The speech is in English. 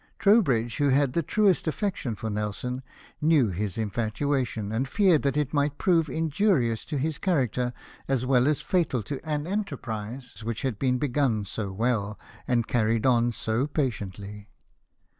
Trowbridge, who had the truest affection for Nelson, knew his infatuation, and feared that it might prove injurious to his character, as well as fatal to an enterprise which had been begun so well, and carried on so patiently.